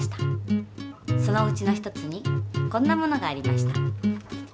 そのうちの一つにこんなものがありました。